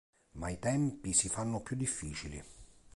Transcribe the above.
Ma i tempi si fanno più difficili.